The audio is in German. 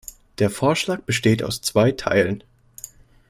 Der Vorschlag besteht aus zwei Teilen.